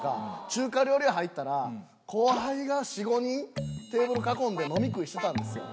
中華料理屋入ったら後輩が４５人テーブル囲んで飲み食いしてたんですよ。